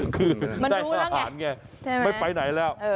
คือได้ทหารไงไม่ไปไหนแล้ว